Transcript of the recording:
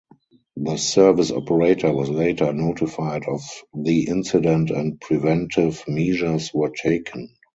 The service operator was later notified of the incident and preventive measures were taken.